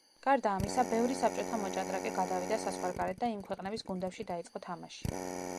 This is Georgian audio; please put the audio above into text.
გარდა ამისა ბევრი საბჭოთა მოჭადრაკე გადავიდა საზღვარგარეთ და იმ ქვეყნების გუნდებში დაიწყო თამაში.